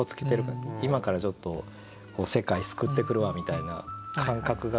今からちょっと世界救ってくるわみたいな感覚が。